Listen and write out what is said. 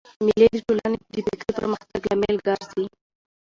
مېلې د ټولني د فکري پرمختګ لامل ګرځي.